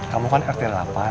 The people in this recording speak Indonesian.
kamu kan rt delapan